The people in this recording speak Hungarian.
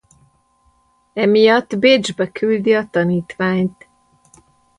Emiatt Bécsbe küldi a tanítványt.